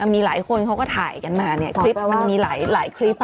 มีหลายคนเขาก็ถ่ายกันมาเนี่ยคลิปมันมีหลายคลิป